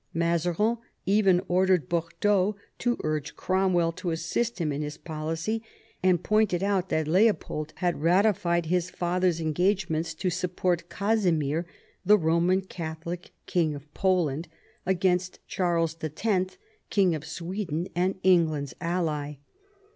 Mazarin even ordered Bordeaux to urge Cromwell to assist him in his policy, and pointed out that Leopold had ratified his father's engagements to support Casimir, the Koman Catholic king of Poland, against Charles X., king of Sweden and England's ally.